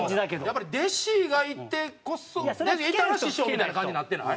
やっぱり弟子がいてこそいたら師匠みたいな感じになってない？